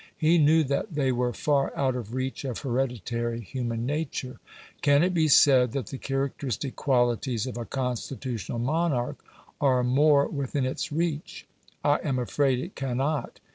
He knew that they were far out of reach of hereditary human nature. Can it be said that the characteristic qualities of a constitutional monarch are more within its reach? I am afraid it cannot.